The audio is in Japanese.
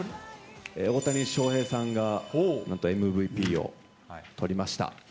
大谷翔平さんが、なんとＭＶＰを取りました。